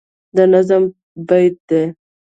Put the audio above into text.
د نظم بیت دی